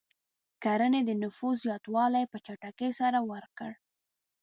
کرنې د نفوس زیاتوالی په چټکۍ سره ورکړ.